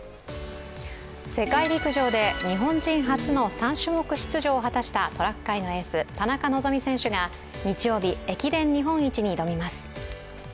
世界陸上で日本人初の３種目出場を果たしたトラック界のエース田中希実選手が日曜日駅伝日本一に挑みます。